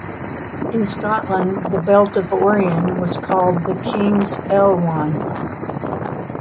In Scotland, the Belt of Orion was called "the King's Ellwand".